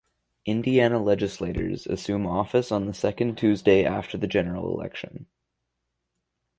Indiana legislators assume office on the second Tuesday after the general election.